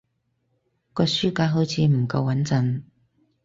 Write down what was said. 個書架好似唔夠穏陣